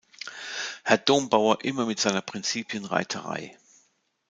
Herr Dombauer immer mit seiner Prinzipienreiterei!